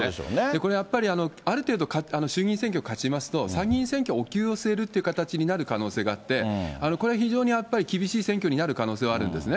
これやっぱり、ある程度、衆議院選挙勝ちますと、参議院選挙はおきゅうをすえるという形になる可能性があって、これ非常に、やっぱり厳しい選挙になる可能性はあるんですね。